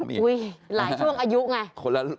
อุ๊ยหลายช่วงอายุไง